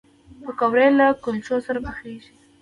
پکورې له کلچو سره پخېږي